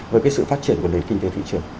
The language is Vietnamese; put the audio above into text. với cái sự phát triển của nền kinh tế thị trường